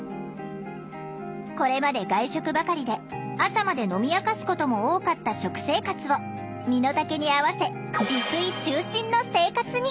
これまで外食ばかりで朝まで飲み明かすことも多かった食生活を身の丈に合わせ自炊中心の生活に！